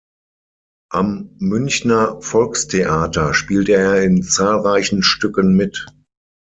Am Münchner Volkstheater spielte er in zahlreichen Stücken mit.